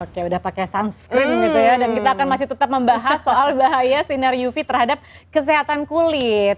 oke udah pakai sunscreen gitu ya dan kita akan masih tetap membahas soal bahaya sinar uv terhadap kesehatan kulit